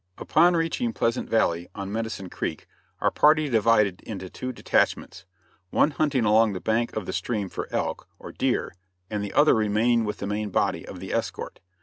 Upon reaching Pleasant Valley, on Medicine Creek, our party divided into two detachments one hunting along the bank of the stream for elk or deer, and the other remaining with the main body of the escort.